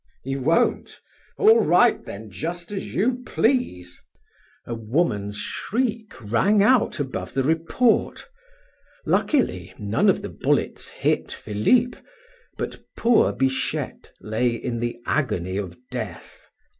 "You won't? All right then, just as you please." A woman's shriek rang out above the report. Luckily, none of the bullets hit Philip; but poor Bichette lay in the agony of death.